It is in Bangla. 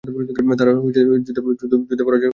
তারা যুদ্ধে পরাজয় বরণ করে বসে আছে।